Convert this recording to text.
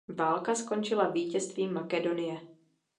Válka skončila vítězstvím Makedonie.